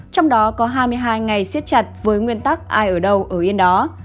trong đó có hai mươi hai ngày siết chặt với nguyên tắc ai ở đâu ở yên đó